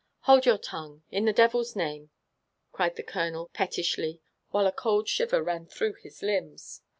'' Hold your tongue, in the devil's name !" cried the colonel pettishly, while a cold shiver ran through his limbs.